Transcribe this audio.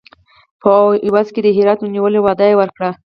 په عوض کې د هرات نیولو وعده ورکړي.